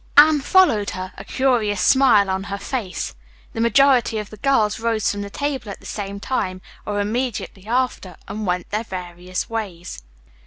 Anne followed her, a curious smile on her face. The majority of the girls rose from the table at the same time, or immediately after, and went their various ways.